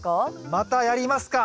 またやりますか。